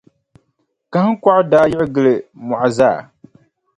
Kahiŋkɔɣu daa yiɣi gili mɔɣu zaa.